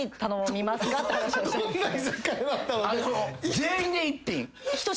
全員で１品？